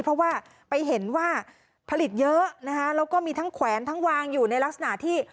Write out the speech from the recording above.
เพราะว่าไปเห็นว่าผลิตเยอะนะคะแล้วก็มีทั้งแขวนทั้งวางอยู่ในลักษณะที่